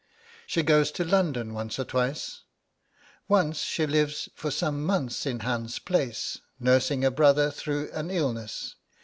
She goes to London once or twice. Once she lives for some months in Hans Place, nursing a brother through an illness.